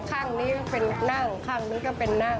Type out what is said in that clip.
ข้างนี้ก็เป็นนั่งข้างนี้ก็เป็นนั่ง